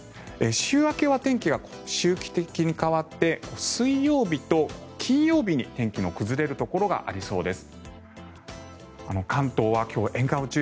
週明けは天気が周期的に変わって水曜日と金曜日に天気の崩れるところがありそうです。